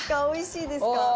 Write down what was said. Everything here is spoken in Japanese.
おいしいですか？